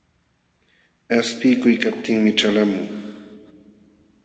Qaspiykuykaptinmi ćhalqamun.